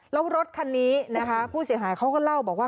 แล้วรถคันนี้นะคะผู้เสียหายเขาก็เล่าบอกว่า